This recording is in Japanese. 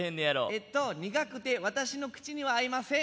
えっと苦くて私の口には合いません。